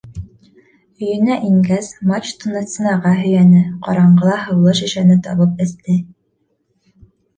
Өйөнә ингәс, мачтаны стенаға һөйәне, ҡараңғыла һыулы шешәне табып эсте.